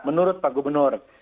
menurut pak gubernur